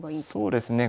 そうですね。